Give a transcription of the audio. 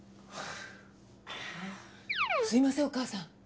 「すいませんお母さん」。